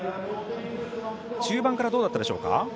中盤からどうだったでしょうか。